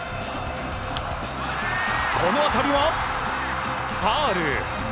この当たりはファウル。